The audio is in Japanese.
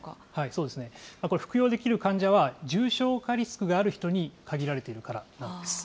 そうですね、これ、服用できる患者は、重症化リスクがある人に限られているからなんです。